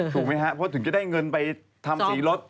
ถูกไหมครับเพราะถึงจะได้เงินไปทำสีรถ